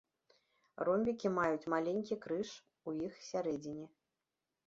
Ромбікі маюць маленькі крыж у іх сярэдзіне.